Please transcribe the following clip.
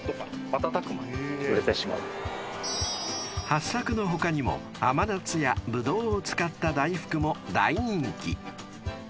［はっさくの他にも甘夏やブドウを使った大福も大人気］